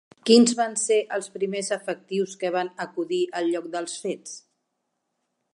Quins van ser els primers efectius que van acudir al lloc dels fets?